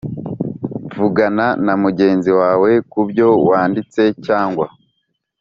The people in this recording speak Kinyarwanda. Vugana na mugenzi wawe ku byo wanditse cyangwa